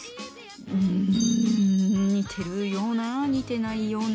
うん似てるような似てないような。